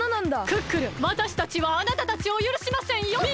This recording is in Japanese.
クックルンわたしたちはあなたたちをゆるしませんよ！